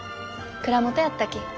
蔵元やったき。